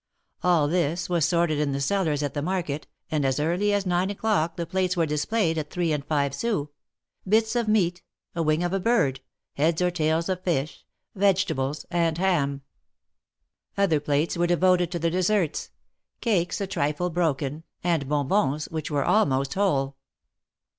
All this was sorted in the cellars at the market, and as early as nine o'clock, the plates were displayed at three and five sous — bits of meat, a wing of a bird, heads or tails of fish, vegetables, and ham. Other plates were devoted to the desserts — cakes a trifle broken, and bon bons, which were almost whole.